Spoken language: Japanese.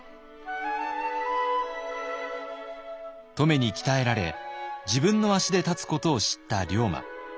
乙女に鍛えられ自分の足で立つことを知った龍馬。